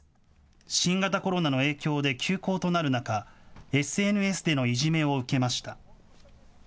新型コロナの影響で休校となる中、ＳＮＳでのいじめを受けました。